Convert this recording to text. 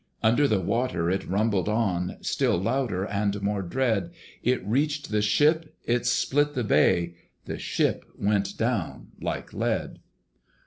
Under the water it rumbled on, Still louder and more dread: It reached the ship, it split the bay; The ship went down like lead.